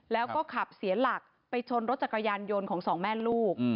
แล้วก็ขับเสียหลักไปชนรถจักรยานยนต์ของสองแม่ลูก